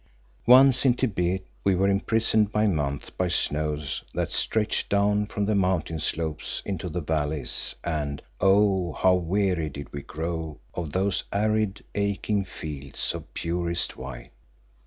Once in Thibet we were imprisoned for months by snows that stretched down from the mountain slopes into the valleys and oh! how weary did we grow of those arid, aching fields of purest white.